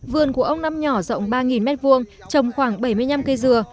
vườn của ông năm nhỏ rộng ba m hai trồng khoảng bảy mươi năm cây dừa